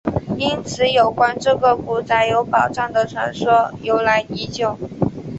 因此有关这个古宅有宝藏的传说由来已久。